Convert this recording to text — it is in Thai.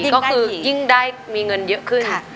ก็คือยิ่งได้มีเงินเยอะขึ้น